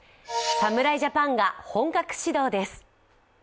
侍ジャパンが本格始動です。